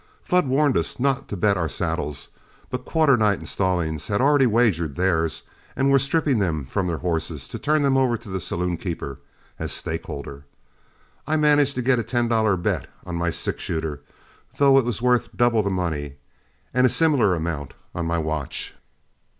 Flood warned us not to bet our saddles, but Quarternight and Stallings had already wagered theirs, and were stripping them from their horses to turn them over to the saloonkeeper as stakeholder. I managed to get a ten dollar bet on my six shooter, though it was worth double the money, and a similar amount on my watch.